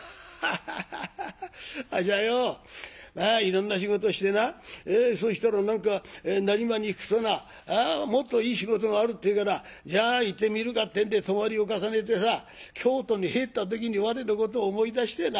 「ハッハハハハハあっしはよまあいろんな仕事してなそしたら何か浪速に行くとなもっといい仕事があるってえからじゃあ行ってみるかってんで泊まりを重ねてさ京都に入った時に我のことを思い出してな。